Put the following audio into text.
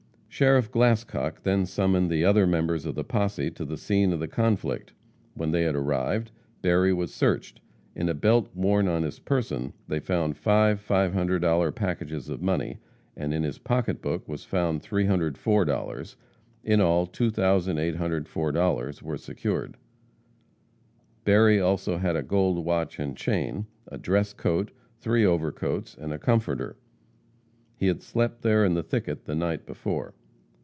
Sheriff Glascock then summoned the other members of the posse to the scene of the conflict. When they had arrived, Berry was searched. In a belt worn on his person they found five $500 packages of money, and in his pocketbook was found $304; in all, $2,804 were secured. Berry also had a gold watch and chain, a dress coat, three overcoats and a comforter. He had slept there in the thicket the night before.